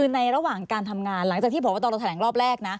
ในระหว่างการทำงานหลักจากที่พอว่าตอนที่แสดงรอบแรก